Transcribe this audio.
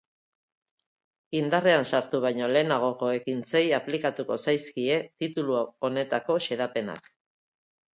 Indarrean sartu baino lehenagoko ekintzei aplikatuko zaizkie titulu honetako xedapenak.